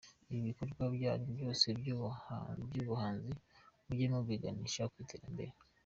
Ibi bikorwa byanyu byose by’ubuhanzi mujye mubiganisha ku iterambere".